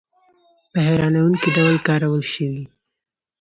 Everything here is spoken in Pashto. په هیرانوونکې ډول کارول شوي.